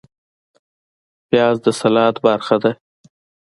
پیاز د سلاد برخه ده